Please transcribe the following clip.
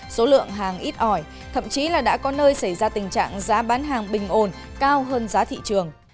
số lượng hàng ít ỏi thậm chí là đã có nơi xảy ra tình trạng giá bán hàng bình ổn cao hơn giá thị trường